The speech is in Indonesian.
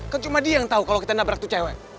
kan cuma dia yang tahu kalau kita nabrak tuh cewek